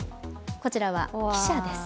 こちらは記者です。